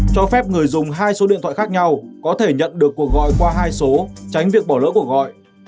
cho phép người dùng hai số điện thoại khác nhau có thể nhận được cuộc gọi qua hai số tránh việc bỏ lỡ cuộc gọi